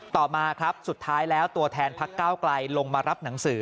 ต่อมาครับสุดท้ายแล้วตัวแทนพักเก้าไกลลงมารับหนังสือ